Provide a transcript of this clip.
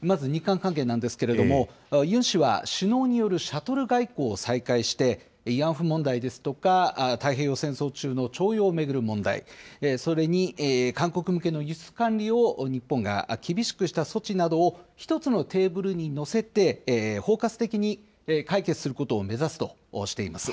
まず日韓関係なんですけれども、ユン氏は首脳によるシャトル外交を再開して、慰安婦問題ですとか、太平洋戦争中の徴用を巡る問題、それに韓国向けの輸出管理を日本が厳しくした措置などを、一つのテーブルに載せて包括的に解決することを目指すとしています。